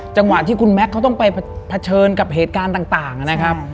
จังหวะที่คุณแม็กซ์เขาต้องไปเผชิญกับเหตุการณ์ต่างนะครับ